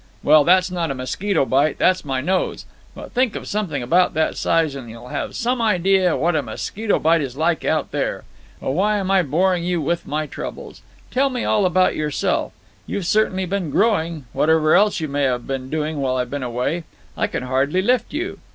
Well, that's not a mosquito bite; that's my nose; but think of something about that size and you'll have some idea of what a mosquito bite is like out there. But why am I boring you with my troubles? Tell me all about yourself. You've certainly been growing, whatever else you may have been doing while I've been away; I can hardly lift you.